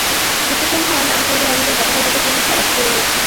ছুটির দিন হওয়ায় ব্যবসায়ীদের অনেকেই গতকাল তাঁদের পণ্য খালাস করে নিয়েছেন।